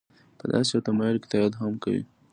په داسې یو تمایل که تایید هم کوي.